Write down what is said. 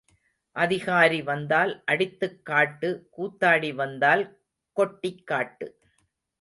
அதிகாரி வந்தால் அடித்துக் காட்டு கூத்தாடி வந்தால் கொட்டிக் காட்டு.